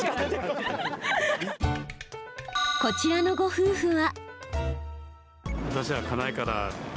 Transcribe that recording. こちらのご夫婦は。